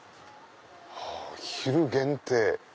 「昼限定」。